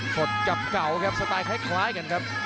สดกับเก่าครับสไตล์คล้ายกันครับ